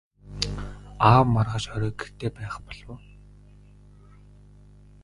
Аав маргааш орой гэртээ байх болов уу?